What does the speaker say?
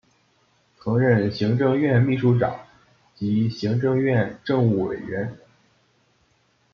曾任行政院秘书长及行政院政务委员。